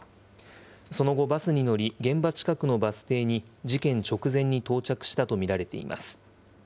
その後、バスに乗り、現場近くのバス停に事件直前に到着したと見られています。